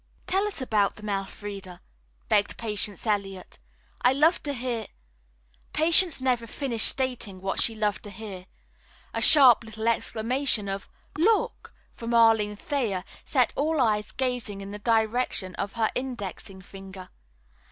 "Tell us about them, Elfreda," begged Patience Eliot. "I love to hear " Patience never finished stating what she loved to hear. A sharp little exclamation of "Look!" from Arline Thayer set all eyes gazing in the direction of her indexing finger.